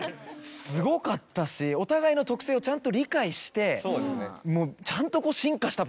すごかったしお互いの特性をちゃんと理解してちゃんとこう。